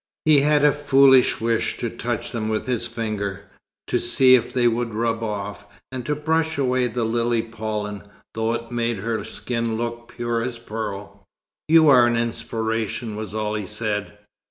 He had a foolish wish to touch them with his finger, to see if they would rub off, and to brush away the lily pollen, though it made her skin look pure as pearl. "You are an inspiration!" was all he said.